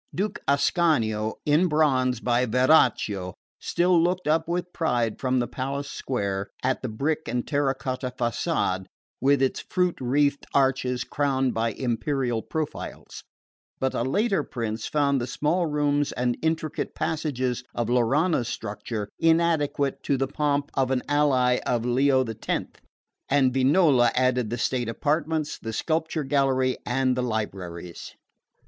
Duke Ascanio, in bronze by Verocchio, still looked up with pride from the palace square at the brick and terra cotta facade with its fruit wreathed arches crowned by imperial profiles; but a later prince found the small rooms and intricate passages of Laurana's structure inadequate to the pomp of an ally of Leo X., and Vignola added the state apartments, the sculpture gallery and the libraries.